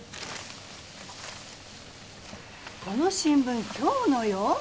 この新聞今日のよ。